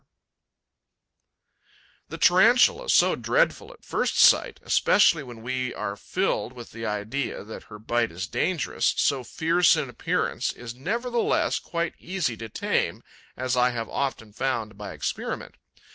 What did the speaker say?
'The Tarantula, so dreadful at first sight, especially when we are filled with the idea that her bite is dangerous, so fierce in appearance, is nevertheless quite easy to tame, as I have often found by experiment.